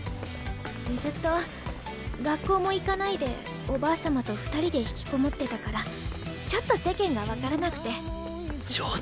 ずっと学校も行かないでおばあ様と二人で引きこもってたからちょっと世間が分からなくて。